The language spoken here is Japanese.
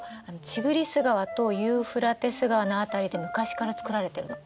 ティグリス川とユーフラテス川の辺りで昔から作られてるの。